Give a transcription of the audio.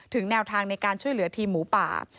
แนวทางในการช่วยเหลือทีมหมูป่า